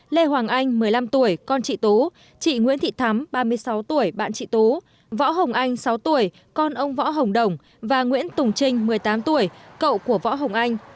lê hoàng anh một mươi năm tuổi con chị tú chị nguyễn thị thắm ba mươi sáu tuổi bạn chị tú võ hồng anh sáu tuổi con ông võ hồng đồng và nguyễn tùng trinh một mươi tám tuổi cậu của võ hồng anh